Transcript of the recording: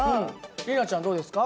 里奈ちゃんどうですか？